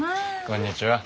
こんにちは。